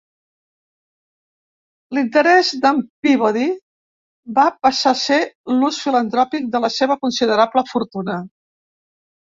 L"interès de"n Peabody va passar a ser l"ús filantròpic de la seva considerable fortuna.